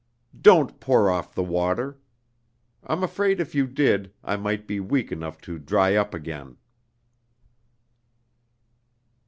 Don't pour off the water. I'm afraid if you did, I might be weak enough to dry up again."